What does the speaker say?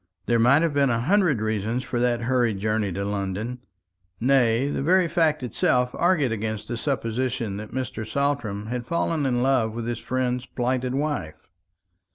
There might have been a hundred reasons for that hurried journey to London nay, the very fact itself argued against the supposition that Mr. Saltram had fallen in love with his friend's plighted wife.